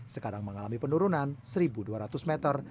sekarang mengalami penurunan satu dua ratus meter